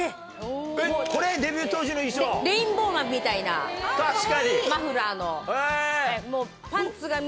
レインボーマンみたいなマフラーの。